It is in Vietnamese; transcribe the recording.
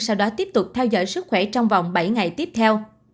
sau đó tiếp tục theo dõi sức khỏe trong vòng bảy ngày tiếp theo